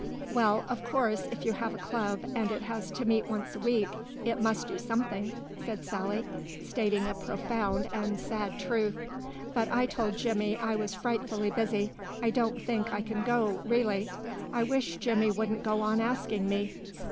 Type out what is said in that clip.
"Well, of course if you have a club and it has to meet once a week, it must do something," said Sally, stating a profound and sad truth. "But I told Jimmy I was frightfully busy; I don't think I can go, really.... I wish Jimmy wouldn't go on asking me.